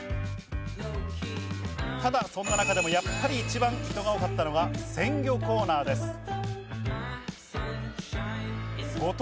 ただ、そんな中でもやっぱり一番人が多かったのが鮮魚コーナーです。